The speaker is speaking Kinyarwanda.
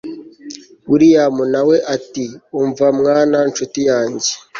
william nawe ati umva mwana nshuti yanjye